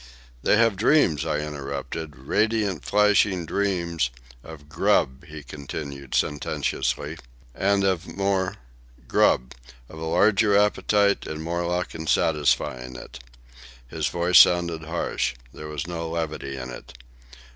"They have dreams," I interrupted, "radiant, flashing dreams—" "Of grub," he concluded sententiously. "And of more—" "Grub. Of a larger appetite and more luck in satisfying it." His voice sounded harsh. There was no levity in it.